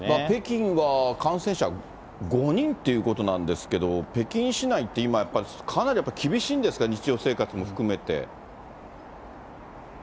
北京は感染者５人ということなんですけど、北京市内って今、やっぱり、かなりやっぱり厳しいんですか、日常生活も含めて。